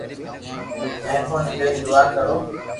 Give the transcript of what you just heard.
مھربوني ڪرين دعا ڪرو